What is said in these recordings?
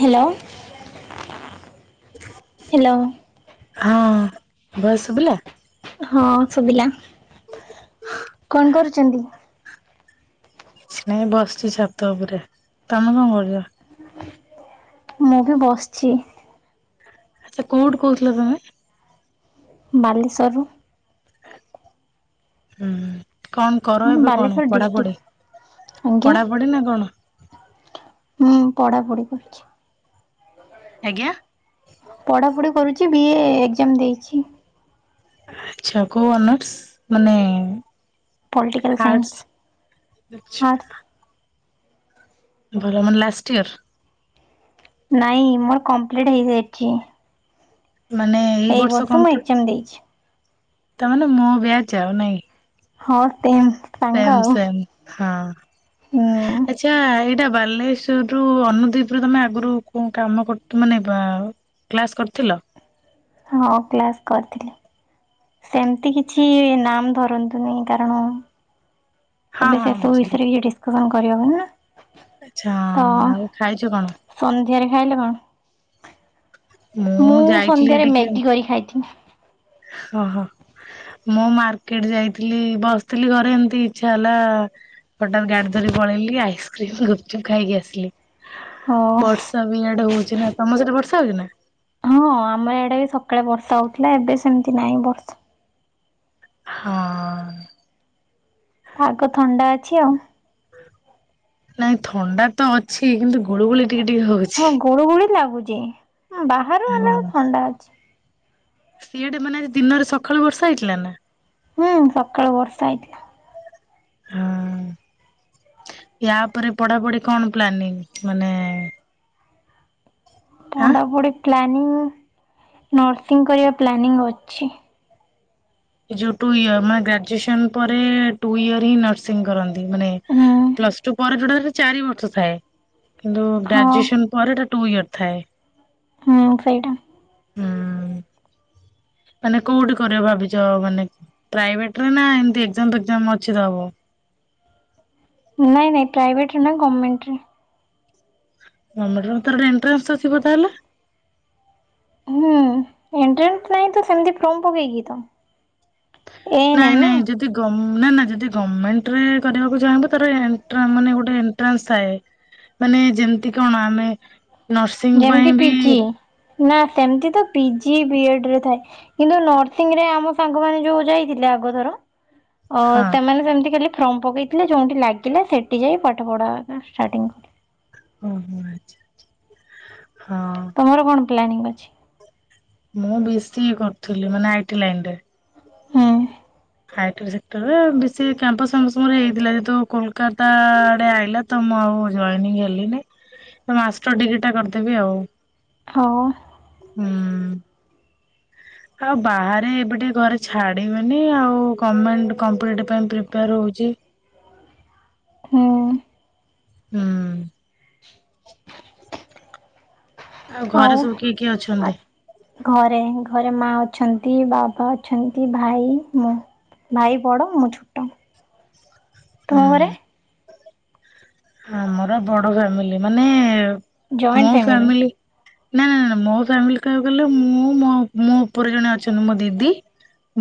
Hello. ହଁ, voice ସୁବିଲା? ହଁ, ଶୁଭିଲା। କଣ କରୁଚନ୍ତି? ମୁଁ ବସିଚି ଛାତ ଉପରେ। ତମେ କଣ କରୁଚ? [unintelligible] ମୁଁ ବି ବସିଚି। ଆଛା, କଉଠୁ କହୁଥିଲ ତମେ? ବାଲେଶର୍ ରୁ। ହୁଁ, କଣ କର ମାନେ ଏବେ କଣ, ବାଲେଶ୍ୱର ପଢାପଢି? ଡିଷ୍ଟ୍ରିକ୍ଟ ଆଜ୍ଞା ପଢାପଢି ନା କଣ? ହୁଁ ପଢ଼ାପଢ଼ି କରୁଛି, ଆଜ୍ଞା? ପଢ଼ାପଢ଼ି କରୁଛି ବିଏ ଏକ୍ଜାମ୍ ଦେଇଛି, ଆଛା କୋଉ ଅନର୍ସ ମାନେ? ପଲିଟିକାଲ୍ ଆର୍ସ ସାଇନ୍ସ ଆଚ୍ଛା, ଆର୍ଟସ୍। ଭଲ ମାନେ ଲାଷ୍ଟ୍ ଇୟର? ନାଇଁ ମୋର କମ୍ପ୍ଲିଟ୍ ହେଇଯାଇଛି, ମାନେ, ଏଇ ବର୍ଷ ମୁଁ ଏକ୍ଜାମ୍ ଦେଇଛି, ତା ମାନେ ମୋ ବିଆଚ୍ ଆଉ ନାଇ? ହଁ ଟେଥ୍, ସେମ୍-ସେମ୍ ହଁ ହୁଁ ଆଛା ଏଇଟା ବାଲଲେଶ୍ୱ, ଜଉଠୁ ଅନୁଦୀପ୍ ରେ ତମେ ଆଗରୁ କଉ କାମ କରୁଥୁ ମାନେ ବାଅ କ୍ଲାସ୍ କରିଥିଲ? ହଁ ଅ କ୍ଲାସ୍ କରିଥିଲି। ସେମିତି କିଛି ନାମ୍ ଧରନ୍ତୁନି କାରଣ, ହଁ ଏବେ ହଁ ସେ ସବୁ ବୁଝିଲି। ବିଷୟରେ କି ଡିସକସନ୍ କରିବା ମନା, ଆଚ୍ଛା ଆଉ ଖାଇଛ କଣ? ସନ୍ଧ୍ୟାରେ ଖାଇଲେ କଣ ମୁଁ ସନ୍ଧ୍ୟାରେ ମେଗି କରି ଖାଇଥିଲି, ହଁ-ହଁ, ମୁଁ ମାର୍କେଟ୍ ଯାଇଥିଲି ବସିଥିଲି ଘରେ ଏମତି ଇଛା ହେଲା, ହଠାତ୍ ଗାଡ଼ି ଧରି ପଳେଇଲି ଆଇସ୍କ୍ରିମ୍ ଗୁପଚୁପ୍ ଖାଇକି ଆସିଲି, ହଁ ବର୍ଷା ବି ଆଡ଼େ ହଉଛି ନା ତମ ସେଠି ବର୍ଷା ହଉ ଛି ନା? ହଁ ଆମେ ଏଡେ ବି ସକାଳେ ବର୍ଷା ହଉଥିଲା ଏବେ ସେମିତି ନାହିଁ ବର୍ଷ, ହଁ, ହଁ ଆଗ ଥଣ୍ଡା ଅଛି ଆଉ, ନାଇଁ ଥଣ୍ଡା ତ ଅଛି କିନ୍ତୁ ଗୁଳୁ ଗୁଳି ଟିକେ-ଟିକେ ହଉଛି, ହଁ ଗୁଡୁ ଗୁଳି ଲାଗୁଛି ହଁ ବାହର୍, ହଁ, ଅନ୍ଦାଜ୍, ସି ଆଡ଼େ ମାନେ ଆଜି ଦିନରେ ସକାଳୁ ବର୍ଷ ହେଇଥିଲା ନା? ହୁଁ ସକାଳୁ ବର୍ଷା ହେଇଥିଲା, ହଁ ୟା ପରେ ପଢ଼ାପଢ଼ି କଣ ପ୍ଲାନିଂ ମାନେ? ଆଁ ପଢ଼ାପଢ଼ି ପ୍ଲାନିଂ ନର୍ସିଂ କରିବା ପ୍ଲାନିଂ ଅଛି, ଏ ଯୋଉ ଟୁ ଇୟରାନ ଗ୍ରାଜୁଏସନ ପରେ ଟୁ ଇୟର ହିଁ ନର୍ସିଂ କରନ୍ତି ମାନେ, ହୁଁ ପ୍ଲସ୍ ଟୁ ପରେ ଯୋଁଟା ଚାରି ବର୍ଷ ଥାଏ କିନ୍ତୁ ହଁ ଗ୍ରାଜୁଏସନ ପରେଟା ଟୁ ଇୟର ଥାଏ, ମୁଁ ଖାଇଟା, ହୁଁ ମାନେ କୋଉଠି କରିବା ଭାବି ଜ ମାନେ ପ୍ରାଇଭେଟ ରେ ନା ଏମିତି ଏକ୍ଜାମ୍ ଫକ୍ଜାମ୍ ଅଛି ତ ଦବ? ନାଇଁ-ନାଇଁ ପ୍ରାଇଭେଟ୍ରରେ ନାଁ ଗଭର୍ଣମେଣ୍ଟରେ, ଗତର୍ଣମେଣ୍ଟରେ ତାର ଗୋଟେ ଏଣ୍ଟାନ୍ସ ଅଛି ବୋଧେ ତାହେଲେ, ହୁଁ ଏଣ୍ଟ୍ରେଟ ନାଇଁ ତ ସେମିତି ଫୋମ ପକେଇକି ତ, ଏ ଏନ୍ ଏମ୍ ନା? ନାଇଁ-ନାଇଁ ଯଦି ଗମ୍ ନା-ନା ଯଦି ଗଭର୍ଣ୍ଣମେଣ୍ଟ ରେ କରିବାକୁ ଚାହିଁବ, ତାର ଏଣ୍ଟ୍ରାନ୍ ମାନେ ଗୋଟେ ଏଣ୍ଟ୍ରାନ୍ସ ଥାଏ ମାନେ ଯେମତି କଣ ଆମେ, ନର୍ସିଂ ଯେମିତି ପାଇଁ ବି, ପିଜି ନା ସେମିତି ତ ପିଜି ବିଏଡ ରେ ଥାଏ, କିନ୍ତୁ ନର୍ସିଂରେ ଆମ ସାଙ୍ଗମାନେ ଯୋଉ ଯାଇଥିଲେ ଆଗ ଥର ଅ ହଁ ସେମାନେ ସେମିତି ଖାଲି ଫ୍ରମ୍ ପକେଇଥିଲେ ଯୋଉଁଠି ଲାଗିଲା ସେଇଠି ଯାଇ ପାଠ ପଢା ଷ୍ଟାଟିଙ୍ଗ୍ କଲେ। ଓ ହୋ ଆଚ୍ଛା ଆଚ୍ଛା ହଁ। ତୋର କଣ ପ୍ଲାନିଂ ଅଛି? ମୁଁ ବି ସି ଏ କରୁଥିଲି ମାନେ ଆ ଇ ଟି ଲାଇନ୍ ରେ। ହୁଁ। ଖାଇଥିଲୁ ସେକ୍ଟରରେ ବେଶୀ କ୍ୟାମ୍ପସ ସରି ଯାଇଥିଲା ଯେହେତୁ କୋଲକାତା ଆଡେ ଆଇଲା ତ ମୁଁ ଆଉ ଜଏନିଙ୍ଗ୍ ହେଲିିନି ମାଷ୍ଟର ଡିଗ୍ରୀ ଟା କରିଦେବି ଆଉ। ହଉ। ହୁଁ। ଆଉ ବାହାରେ ଏବେ ଟିକେ ଘରେ ଛାଡିବେନି ଆଉ। ମୁଁ ଗଭର୍ମେଣ୍ଟ କମ୍ପିଟେଟିଭ ପାଇଁ ପ୍ରିପେୟାର ହଉଛି। ହୁଁ। ହୁଁ। ହ ଆଉ ଘରେ ସବୁ କିଏ କିଏ ଅଛନ୍ତି? ଘରେ ଘରେ ମାଆ ଅଛନ୍ତି ବାବା ଅଛନ୍ତି ଭାଇ ମୁଁ। ଭାଇ ବଡ ମୁଁ ଛୋଟ ହୁଁ ତୁମ ଘରେ? ଆମର ବଡ ଫ୍ୟାମିଲି ମାନେ ମୋ ଫ୍ୟାମିଲି ନାଁ ନାଁ ନାଁ ନାଁ ମୋ ଫ୍ୟାମିଲ କହିବାକୁ ଗଲେ ମୁଁ ମୋ ମୋ ଉପରେ ଜଣେ ଅଛନ୍ତି ମୋ ଦିଦି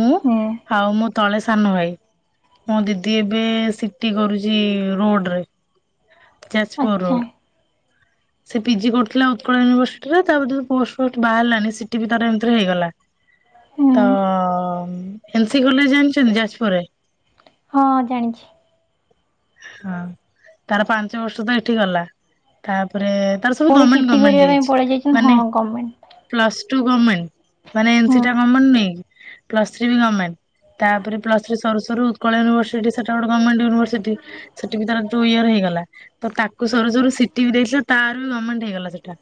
ମୁଁ ହୁଁ ଆଉ ମୋ ତଳେ ସାନ ଭାଇ ମୋ ଦିଦି ଏବେ ସି ଟି କରୁଛି ରୋଡ୍ ରେ। ଯାଜପୁର ଆଚ୍ଛା ରୋଡ୍। ସେ ପି ଜି କରୁଥିଲା ଉତ୍କଳ ୟୁନିଭର୍ସିଟିରେ ତାପରେ ପୋଷ୍ଟ୍ ଫୋଷ୍ଟ୍ ବାହାରିଲାନି ସି ଟି ବି ତାର ଏମିତିରେ ହେଇଗଲା। ହୁଁ ତ ଏନସି କଲେଜ ଜାଣିଛନ୍ତି ଯାଜପୁର ରେ? ହଁ ଜାଣିଛି। ହଁ ତାର ପାଞ୍ଚ ବର୍ଷ ତ ଏଠି ଗଲା ତା ପରେ ତାର ସବୁ ପୁଣି ଗଭର୍ମେଣ୍ଟ ସିଟି ଗଭର୍ମେଣ୍ଟ କରିବା ପାଇଁ ଦେଇଛି ପଳେଇ ଯାଇଛନ୍ତି ହଁ ମାନେ ଗମେଣ୍ଟ ପ୍ଲସ୍ ଟୁ ଗଭର୍ମେଣ୍ଟ ମାନେ ହଁ ଏନସିଟା ଗଭର୍ମେଣ୍ଟ ନୁହେଁ କି? ପ୍ଲସ୍ ଥ୍ରୀ ବି ଗଭର୍ମେଣ୍ଟ ତା ପରେ ପ୍ଲସ୍ ଥ୍ରୀ ସରୁ ସରୁ ଉତ୍କଳ ୟୁନିଭର୍ସିଟି ସେଟା ବି ଗୋଟେ ଗଭର୍ମେଣ୍ଟ ୟୁନିଭର୍ସିଟି। ସେଠି ବି ତାର ଟୁ ଇୟର ହେଇଗଲା ତ ତାକୁ ସରୁ ସରୁ ସି ଟି ବି ଦେଇଥିଲା ତାର ବି ଗଭର୍ମେଣ୍ଟ ହେଇଗଲା ସେ ଇଟା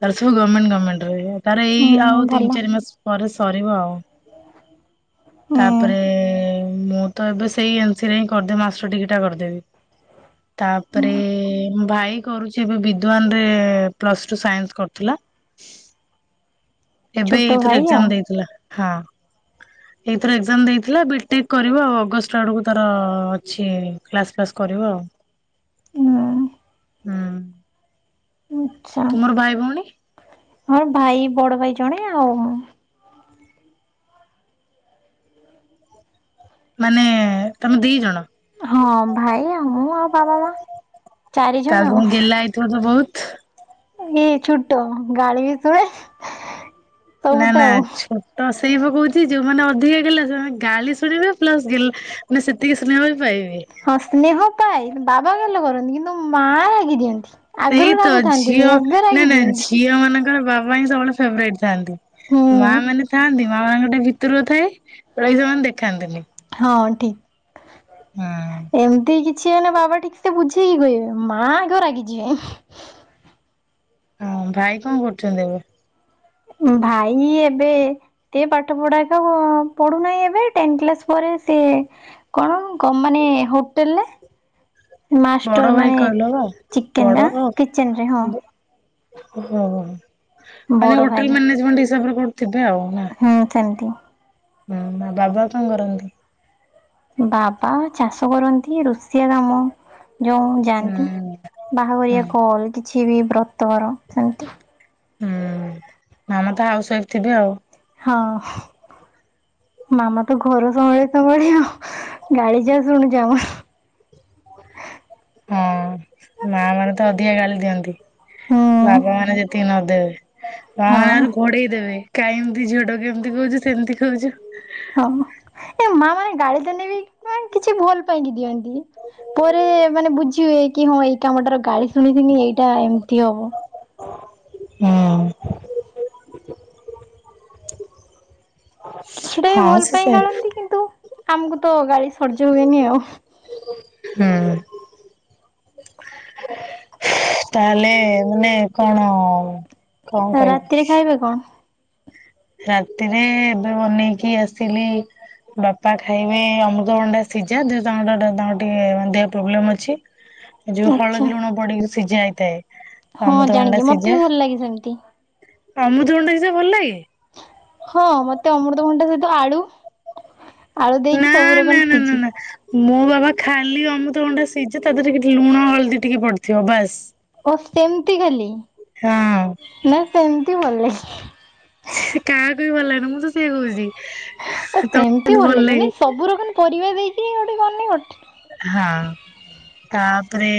ତାର ସବୁ ଗଭର୍ମେଣ୍ଟ ଗଭର୍ମେଣ୍ଟ ର ହେଇ ତାର ଏଇ ଆଉ ହୁଁ ତିନି ଭଲ ଚାରି ମାସ ପରେ ସରିବ ଆଉ। ହୁଁ ତା ପରେ ମୁଁ ତ ଏବେ ସେଇ ଏନ୍ସିରେ ହିଁ କରିଦେବି ମାଷ୍ଟର ଡିଗ୍ରୀ ଟା କରିଦେବି। ତା ପରେ ମୋ ଭାଇ କରୁଛି ଏବେ ବିଦ୍ୱାନ ରେ ପ୍ଲସ୍ ଟୁ ସାଇନ୍ସ୍ କରୁଥିଲା। ଏବେ ଏଇ ଛୋଟ ଥର ଭାଇ ଆଉ ଏକ୍ଜାମ୍ ଦେଇଥିଲା ହଁ। ଏଇଥର ଏକ୍ଜାମ୍ ଦେଇଥିଲା ବି ଟେ କ୍ କରିବ ଆଉ ଅଗଷ୍ଟ ଆଡକୁ ତାର ଅଛି କ୍ଲାସ୍ ଫ୍ଲାସ୍ କରିବ ଆଉ। ହୁଁ। ହୁଁ। ଉଁ ତୁମର ଭାଇ ଭଉଣୀ? ହଁ ଭାଇ ବଡ ଭାଇ ଜଣେ ଆଉ ମୁଁ। ମାନେ ତମେ ଦି ଜଣ? ହଁ ଭାଇ ଆଉ ମୁଁ ଆଉ ବାବା ମାଆ ଚାରି ଜଣ ଆଉ। ଯାଇଥିବ ତ ବୋହୁତ୍। ଏଇ ଛୁଟ ଗାଳି ବି ସେତଳେ। ନା- ନା ଛୋଟ ସେଇ ପା କହୁଛି, ଯୋଉଁମାନେ ଅଧିକା ଗେଲା ସେମାନେ ଗାଳି ଶୁଣିବେ ପ୍ଲସ୍ ଗେ ନେ ସେତିକି ସ୍ନେହ ବି ପାଇବେ। ହଁ ସ୍ନେହ ପାଏ, ବାବା ଗେଲ କରନ୍ତି କିନ୍ତୁ ମା ରାଗି ଦିଅନ୍ତି। ଆଗରୁ ସେଇତ ରାଗୁଥାନ୍ତିନି ଝିଅ ଏବେ ନାଁ ରାଗି -ନାଁ ଦିଅନ୍ତି ଝିଅ ମାନ ତାଙ୍କର ବାବା ହିଁ ସବୁବେଳେ ଫେଭ୍ରାଇଟ୍ ଥାନ୍ତି, ହୁଁ ମା ମାନେ ଥାଆନ୍ତି। ମା ମାନଙ୍କ ଟିକେ ଭିତରୁ ଥାଏ, ବାକି ସେମାନେ ଦେଖାନ୍ତିନି। ହଁ ଠିକ୍, ହଁ ଏମତି କିଛି ହେଲେ ବାବା ଠିକ୍ ତେ ବୁଝେଇକି କହିବେ, ମା ଆଗ ରାଗିଯିବେ। ହଁ, ଭାଇ କଣ କରୁଛନ୍ତି ଏବେ? ଭାଇ ଏବେ। ସେ ପାଠ ପଢା ଏକ ପଢୁନାହିଁ, ଏବେ ଟେନ୍ କ୍ଲାସ୍ ପରେ ସେ କଣ କ ମାନେ ହୋଟେଲରେ। ବଡ ମାଷ୍ଟର ଭାଇ ମାନେ କହିଲ ବା ଚିକେନ ନା କିଚେନ୍ ରେ, ହଁ। ହ -ହ ମାନେ ବଡ ଭାଇ ହୋଟେଲ୍ ମ୍ୟାନେଜମେଣ୍ଟ୍ ହିସାବରେ କୋର୍ ଥିବେ ଆଉ ନା? ହୁଁ ସେମିତି। ହଁ ବାବା କଣ କରନ୍ତି? ବାବା ଚାଷ କରନ୍ତି ରୋଷିଆ କାମ। ଯୋଉଁ ହୁଁ ଯାଆନ୍ତି, ହୁଁ ବାହାଘରିଆ କଲ୍ କିଛି ବି ବ୍ରତଘର ସେମିତି। ହୁଁ ମାମା ତ ହାଉସୱାଇଫ୍ ଥିବେ ଆଉ। ହଁ। ମାମା ତ ଘର ସମ୍ଭାଳି ସମ୍ଭାଳି ଆଉ ଗାଳି ଯା ଶୁଣୁଛି ଆମର। ହଁ ମା ମାନେ ତ ଅଧିକା ଗାଳି ଦିଅନ୍ତି। ହୁଁ ବାବା ମାନେ ଯେତିକି ନଦେବେ ବାବା ମାନେ ହଁ ଆହୁରି ଘୋଡେଇ ଦେବେ। କାହିଁ ଏମିତି ଝିଅ ଟାକୁ ଏମିତି କହୁଛୁ ସେମିତି କହୁଛୁ। ହଁ ଏ ମା ମାନେ ଗାଳି ଦେଲେ ବି କାଇଁ କିଛି ଭୁଲ୍ ପାଇଁକି ଦିଅନ୍ତି। ପରେ ମାନେ ବୁଝି ହୁଏ କି ହଁ ଏଇ କାମଟାର ଗାଳି ଶୁଣିଥିଲି ଏଇଟା ଏମିତି ହବ। ହୁଁ। ସେଟା ବି ହଁ ଭଲ ସେ ପାଇଁ ସେ ଗାଳନ୍ତି କିନ୍ତୁ ଆମକୁ ତ ଗାଳି ସର୍ଯ୍ୟ ହୁଏନି ଆଉ। ହୁଁ। ତାହେଲେ ମାନେ କଣ? କଣ କହିବି ରାତିରେ ଖାଇବେ କଣ? ରାତିରେ ଏବେ ବନେଇକି ଆସିଥିଲି। ବାପା ଖାଇବେ ଅମୃତଭଣ୍ଡା ସିଝା ଦେହ ତାଙ୍କ ତାଙ୍କର ଟିକେ ମାନେ ଦେହ ପ୍ରୋବ୍ଲେମ୍ ଅଛି। [unintelligible] ଯୋଉଁ ଆଚ୍ଛା ହଳଦୀ, ଲୁଣ ପଡିକି ସିଝା ହେଇଥାଏ। ହଁ ଅମୃତଭଣ୍ଡା ଜାଣିଛି ମତେ ସିଝା ବି ଭଲ ଲାଗେ ସେମିତି। ଅମୃତଭଣ୍ଡା କିସେ ଭଲ ଲାଗେ। ହଁ ମତେ ଅମୃତଭଣ୍ଡା ସହିତ ଆଳୁ, ଆଳୁ ନା ଦେଇକି ସବୁ ନା ରକମ ନା ନା ସିଜି ନା ମୋ ବାବା ଖାଲି ଅମୃତଭଣ୍ଡା ସିଝା ତା ଦେହରେ କି ଲୁଣ, ହଳଦୀ ଟିକେ ପଡିଥିବ ବାସ୍। ଓ ସେମିତି ଖାଲି। ହଁ ଉଁ। ନା ସେମିତି ଭଲ ଲାଗେ। ସେ କାହାକୁ ବି ଭଲଲାଗିବନି, ମୁଁ ତ ସେୟା କୋହୁଛି। ସେମିତି ଭଲ ଲାଗିବନି ସବୁ ର କଣ ପରିବା ଦେଇକି ଗୋଟେ କରନି ହଁ ତାପରେ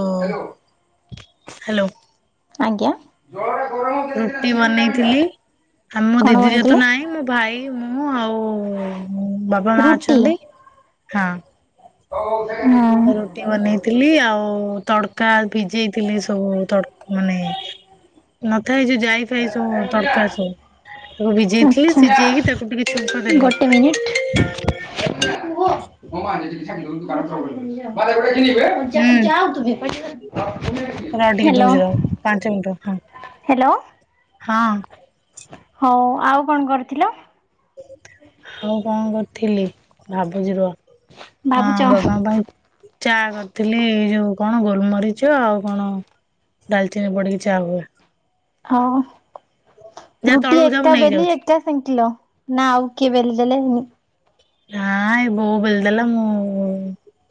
ହ୍ୟାଲୋ। ହ୍ୟାଲୋ ଆଜ୍ଞା ଜଳଟା ଗରମ ହେଲେ ସିନା ରୁଟି ସିଝିବ ଟାଇମ୍ ଟା। ବନେଇଥିଲି ଆ ମୋ କଣ ଦିଦି ଯେହେତୁ ବନିଥିଲେ? ନାହିଁ ମୁଁ ଭାଇ, ମୁଁ ଆଉ ବାବା, ମା ରୁଟି। ଅଛନ୍ତି ହଁ। ହୁଁ ରୁଟି ବନେଇଥିଲି ଆଉ ତଡକା ଭିଜେଇଥିଲି ସବୁ ତଡ ମାନେ ନଥାଏ ଯେ ଯାଇ ଫାଇ ସବୁ ତଡକା ସବୁ, ତାକୁ ଭିଜେଇଥିଲି ସିଝେଇକି ତାକୁ ଟିକେ ଛୁଙ୍କ ଦେଲେ ଗୋଟେ ହୁଁ ରହ [unintelligible] ଟିକେ ହ୍ୟାଲୋ ଦଉଛି ରହ ପାଞ୍ଚ ମିନିଟ୍ ର ହଁ ହ୍ୟାଲୋ ହଁ ହଉ ଆଉ କଣ କରିଥିଲ? ଆଉ କଣ କରିଥିଲି, ଭାବୁଛି ରୁହ। ହଁ ଭାବୁଛ ବାବାଙ୍କ ପାଇଁ ଚା କରିଥିଲି ଏଇ ଯୋଉ କଣ ଗୋଲମରିଚ ଆଉ କଣ ଡାଲଚିନୀ ପଡ଼ିକି ଚା ହୁଏ। ହଁ ଯା ରୁଟି ତଳକୁ ଯା ମୁଁ ଏକା ନେଇକି ବେଲି ଯାଉଛି। ଏ କା ସେଙ୍କିଲ ନା ଆଉ କିଏ ବେଲି ଦେଲେ ହେନି? ହାଁ ଏଇ ବୋଉ ବେଲି ଦେଲା ମୁଁ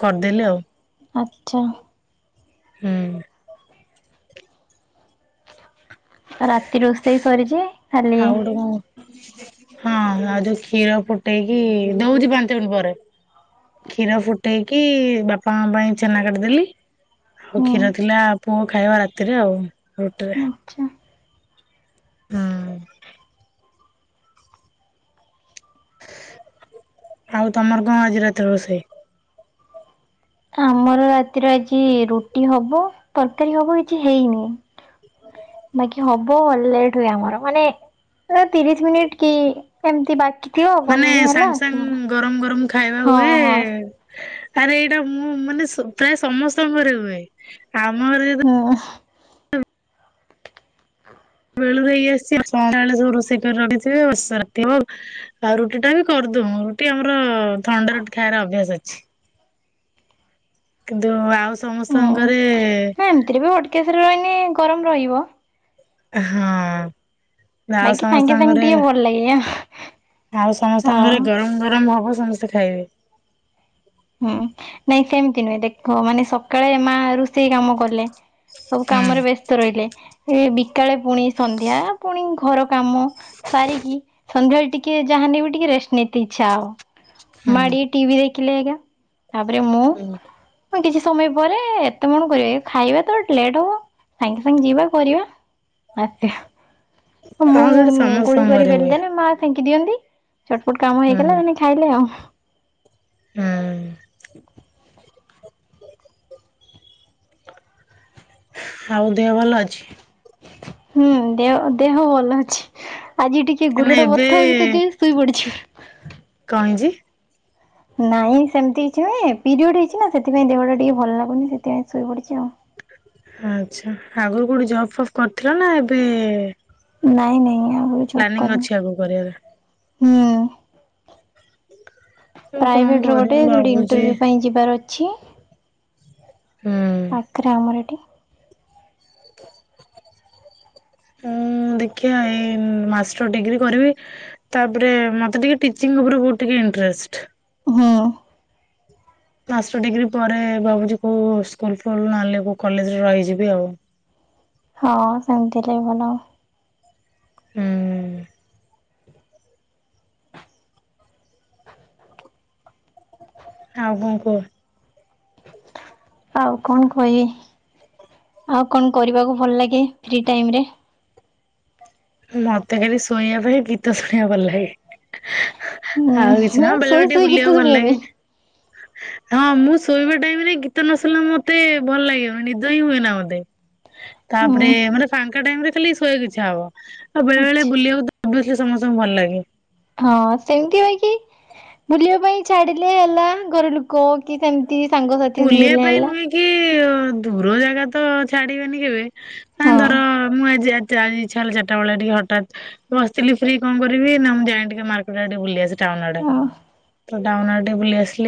କରିଦେଲି ଆଉ। ଆଚ୍ଛା ହୁଁ ରାତି ରୋଷେଇ ସରିଛି? ଖାଲି ଆଉ ଗୋଟେ ମୁଁ ହଁ ଆଉ ଯୋଉ କ୍ଷୀର ଫୁଟେଇକି ଦଉଛି ପାଞ୍ଚ ମିନିଟ୍ ପରେ। କ୍ଷୀର ଫୁଟେଇକି ବାପାଙ୍କ ପାଇଁ ଛେନା କାଟିଦେଲି। ଆଉ ହୁଁ କ୍ଷୀର ଥିଲା ପୁଅ ଖାଇବ ରାତିରେ ଆଉ ରୁଟିରେ। ଆଚ୍ଛା ହୁଁ ଆଉ ତମର କଣ ଆଜି ରାତିରେ ରୋଷେଇ? ଆମର ରାତିରେ ଆଜି ରୁଟି ହବ ତରକାରୀ ହବ କିଛି ହେଇନି। ବାକି ହବ ବ ଲେଟ ହୁଏ ଆମର ମାନେ ତିରିଶ ମିନିଟ କି ଏମତି ବା ମାନେ ସାଙ୍ଗେ୍ ସାଙ୍ଗେ୍ ଗରମ ଗରମ ଖାଇବା ହୁଏ। ହଁ ହଁ ଆରେ ଏଇଟା ମୁଁ ମାନେ ସ ପ୍ରାୟ ସମସ୍ତଙ୍କ ଘରେ ହୁଏ ଆମ ଘରେ ହଁ ବେଳୁ ହେଇ ଆସଚି ସନ୍ଧ୍ୟାବେଳୁ ସବୁ ରୋଷେଇ କରି ରଖିଥିବେ ବର୍ଷା ରାତି ହବ। ଆଉ ରୁଟି ଟା ବି କରିଦଉ ରୁଟି ଆମର ଥଣ୍ଡା ରୁଟି ଖାଇବାର ଅଭ୍ୟାସ ଅଛି। କିନ୍ତୁ ଆଉ ସମସ୍ତଙ୍କ ଘରେ ଆ ଏମିତି ରେ ହଟ କେଶରେ ରହିନେ ଗରମ ରହିବ। ହଁ ଆଉ ବାକି ସାଙ୍ଗେ ସମସ୍ତଙ୍କ ସାଙ୍ଗେ ଘରେ ଟିକେ ଭଲ ଲାଗେ ଆଉ ସମସ୍ତଙ୍କ ଘରେ ହଁ ଗରମ ଗରମ ହବ ସମସ୍ତେ ଖାଇବେ। ହୁଁ ନାଇଁ ସେମିତି ନୁହେଁ ଦେଖ ମାନେ ସକାଳେ ମା ରୁ ସେଇ କାମ କଲେ ସବୁ ହୁଁ କାମରେ ବ୍ୟସ୍ତ ରଇଲେ। ଏ ବିକାଳେ ପୁଣି ସନ୍ଧ୍ୟା ପୁଣି ଘର କାମ ସାରିକି ସନ୍ଧ୍ୟାବେଳେ ଟି ଟିକେ ଯାହାନେ ବି ଟିକେ ରେଷ୍ଟ୍ ନେଇତେ ଇଚ୍ଛା ହବ ମା ଟିକେ ହୁଁ। ଟିଭି ଦେଖିଲେ ଏଇକା ଆପରେ ମୁଁ ଅ କିଛି ସମୟ ପରେ ଏତେ କଣ କରିବେ ଖାଇବା ତ ଲେଟ୍ ହବ ସାଙ୍ଗେ ସାଙ୍ଗେ ଯିବା କରିବା। ଆତ୍ୟା। ହ ମୁଁ ହଁ ସେଟା ଗୁଳି ସମସ୍ତଙ୍କ କରିି ଘରେ ବେଲି ହୁଏ ଦେନି ମା ଫେଙ୍କି ଦିଅନ୍ତି ଛଟପଟ କାମ ହେଇଗଲା ହୁଁ ମାନେ ଖାଇଲେ ଆଉ। ହୁଁ [inaudible] ଆଉ ଦେହ ଭଲ ଅଛି? ହୁଁ ଦେହ ଦେହ ଭଲ ଅଛି ଆଜି ଟି କିଏ କାହିଁକିନା ଗୋଡ ଟା ଏବେ ବଥା ହଉଚି ତ [unintelligible] ଶୋଇ ପଡିଛି। କ ହେଇଚି? ନାଇଁ ସେମିତି କିଛି ନୁଏ ପିରିୟଡ଼ ହେଇଚି ନା ସେଥିପାଇଁ ଦେହଟା ଟିକେ ଭଲ ଲାଗୁନି ସେଥିପାଇଁ ଶୋଇ ପଡିଛି ଆଉ। ଆଚ୍ଛା ଆଗରୁ କେଉଁଠି ଜପ୍ ଫପ୍ କରିଥିଲ ନା ଏବେ ନାଇଁ ନାଇଁ ଆଗରୁ ଜବ ପ୍ଲାନିଂ କରିନି ଅଛି ଆଗକୁ କରିବାର? ହୁଁ। ମୁଁ କଣ ପ୍ରାଇଭେଟ ରେ କରିମି ଗୋଟେ ଭାବୁଛି ଇଣ୍ଟରଭ୍ୟୂ ପାଇଁ ଯିବାର ଅଛି। ହୁଁ ପାଖରେ ଆମର ଏଠି। [inaudible] ଉଁ ଦେଖିିଆ ଏଇ ମାଷ୍ଟର ଡିଗ୍ରୀ କରିବି। ତାପରେ ମତେ ଟିକେ ଟିଚିଂ ଉପରେ ବହୁ ଟିକେ ଇଣ୍ଟରେଷ୍ଟ। ହୁଁ। ମାଷ୍ଟର ଡିଗ୍ରୀ ପରେ ଭାବୁଚି କୋଉ ସ୍କୁଲ ଫୁଲ ନହଲେ କୋଉ କଲେଜରେ ରହିଯିବି ଆଉ। ହଁ ସେମିତି ହେଲେ ଭଲ। ହୁଁ ଆଉ କଣ କୁହ। ଆଉ କଣ କଇବି ଆଉ କଣ କରିବାକୁ ଭଲ ଲାଗେ ଫ୍ରି ଟାଇମ ରେ? ମତେ ଖାଲି ଶୋଇଆ ପାଇଁ ଗୀତ ଶୁଣିବା ଭଲ ଲାଗେ। ଆଉ କିଛି ନା ହୁଁ ବେଳେ ବେଳେ ସୋଇ ଟିକେ ସୋଇ ବୁଲିବାକୁ ଗୀତ ଭଲ ଶୁଣିଆ ଲାଗେ। ପାଇଁ। ହଁ ମୁଁ ଶୋଇବା ଟାଇମ ରେ ଗୀତ ନଶୁଣିଲେ ମତେ ଭଲ ଲାଗିବନି ନିଦ ହିଁ ହୁଏ ନା ମତେ। ତାପରେ ହୁଁ ମାନେ ଫାଙ୍କା ଟାଇମ ରେ ଖାଲି ଶୋଇଆକୁ ଇଚ୍ଛା ହବ ଆଉ ବେଳେ ବେଳେ ଆଚ୍ଛା। ବୁଲିଆକୁ ତ ଓଭିଓସ୍ଲି ସମସ୍ତଙ୍କୁ ଭଲ ଲାଗେ। ହଁ ସେମିତି ହଇ କି ବୁଲିବା ପାଇଁ ଛାଡିଲେ ହେଲା ଘର ଲୋକ। କି ସେମିତି ସାଙ୍ଗସାଥି ବୁଲିବା ମିଳିଲେ ପାଇଁ ହେଲା। ନୁହେଁ କି ଦୂର ଜାଗା ତ ଛାଡିବେନି କେବେ କାଁଇଁ ହଁ ଧର ମୁଁ ଆଜି ଜା ତା ଇଚ୍ଛା ହେଲା ଚାରଟା ବେଳେ ଟିକେ ହଠାତ୍ ମୁ ବସିଥିଲି ଫ୍ରି କଣ କରିବି ନା ମୁଁ ଯାଇ ଟିକେ ମାର୍କେଟ ଟିକେ ବୁଲି ଆସେ। ଟାଉନ୍ ଆଡେ ହଁ। ତ ଟାଉନ ଆଡେ ବୁଲି ଆସିଲି।